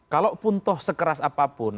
kalau pun toh sekeras apapun